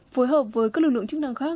phối hợp với các lực lượng chức năng khác